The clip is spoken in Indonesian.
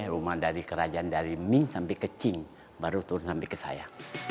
rumah dari kerajaan dari mie sampai ke qing baru turun sampai ke saya